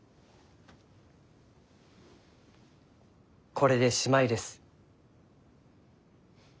これでしまいです。